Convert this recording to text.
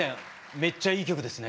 めっちゃいい曲ですね。